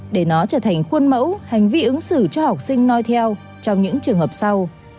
để nó trở thành khuôn mẫu hành vi ứng xử cho học sinh nói theo trong những trường hợp sau